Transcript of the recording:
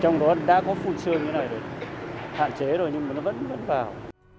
trong đó đã có phun sương như thế này rồi hạn chế rồi nhưng mà nó vẫn vào